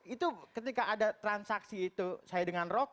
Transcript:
itu ketika ada transaksi itu saya dengan rocky